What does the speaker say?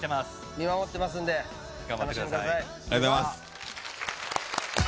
見守ってますんで楽しんでください。